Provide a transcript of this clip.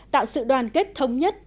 tạo sự đoàn kết thống nhất